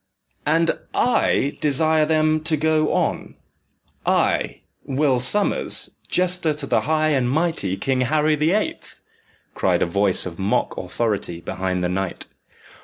"And I desire them to go on I, Will Sommers, jester to the high and mighty King Harry the Eighth!" cried a voice of mock authority behind the knight.